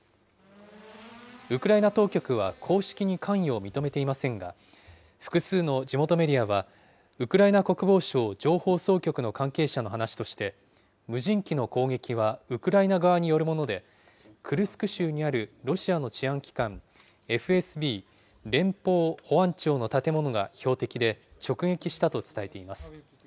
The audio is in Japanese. ウクライナ当局は公式に関与を認めていませんが、複数の地元メディアは、ウクライナ国防省情報総局の関係者の話として、無人機の攻撃はウクライナ側によるもので、クルスク州にあるロシアの治安機関、ＦＳＢ・連邦保安庁の建物が標的で、直撃したと伝えています。